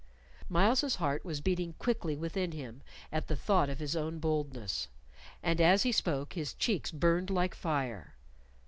Myles's heart was beating quickly within him at the thought of his own boldness, and as he spoke his cheeks burned like fire.